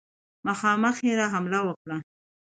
مخامخ یې را حمله وکړه.